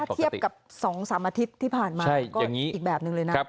เทียบกับ๒๓อาทิตย์ที่ผ่านมาก็อีกแบบหนึ่งเลยนะ